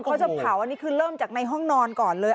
เขาจะเผาอันนี้คือเริ่มจากในห้องนอนก่อนเลย